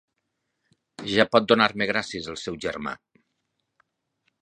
Ja pot donar-me gràcies el seu germà.